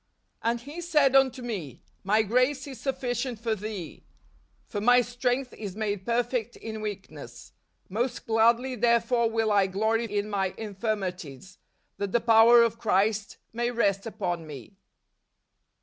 " And he said unto me. My grace is sufficient for thee: for my strength is made perfect in weakness. Most gladly therefore will I glory in my infirmities , that the power of Christ may rest upon me."